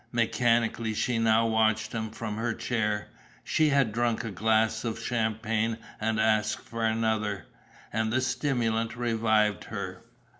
Mechanically she now watched him, from her chair. She had drunk a glass of champagne and asked for another; and the stimulant revived her.